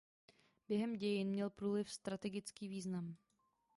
Během dějin měl průliv strategický význam.